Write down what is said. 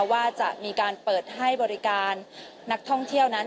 ว่าจะมีการเปิดให้บริการนักท่องเที่ยวนั้น